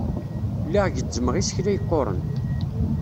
Lliɣ gezzmeɣ isekla yeqquren.